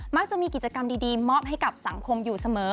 มักจะมีกิจกรรมดีมอบให้กับสังคมอยู่เสมอ